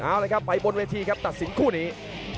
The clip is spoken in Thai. เอาเลยครับไปบนเวทีครับตัดสินคู่นี้